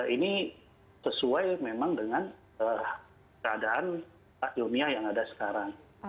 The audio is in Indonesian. ini sesuai memang dengan keadaan ilmiah yang ada sekarang